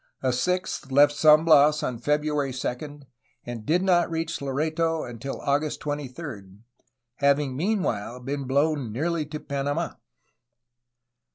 A sixth left San Bias on February 2, and did not reach Loreto until August 23, having meanwhile been blown nearly to Panamd.